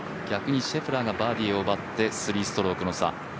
逆にシェフラーがバーディーを奪って３ストロークの差。